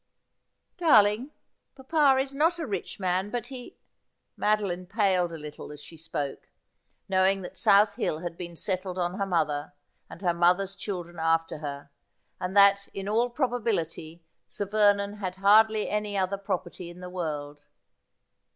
' Darling, papa is not a rich man, but he ' Madeline paled a little as she spoke, knowing that South Hill had been settled on her mother, and her mother's children after her, and that, in all probability. Sir Vernon had hardly any other pro perty in the world.